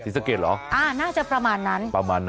สิสเกตเหรออ่ะน่าจะประมาณนั้น